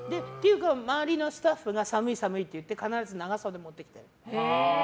周りのスタッフが寒い寒いって言って必ず長袖を持ってくる。